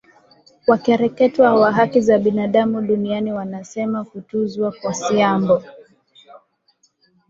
wakereketwa wa haki za binadamu duniani wanasema kutuzwa kwa siambo